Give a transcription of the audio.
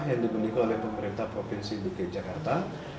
yang dimiliki oleh pemerintah provinsi dki jakarta